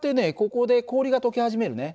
ここで氷がとけ始めるね。